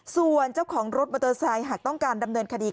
ส่วนเจ้าของรถมอเตอร์ไซค์หากต้องการดำเนินคดี